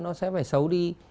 nó sẽ phải xấu đi